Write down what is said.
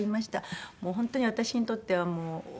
もう本当に私にとっては恩人。